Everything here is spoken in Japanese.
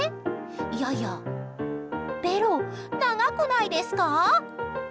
いやいや、ベロ長くないですか？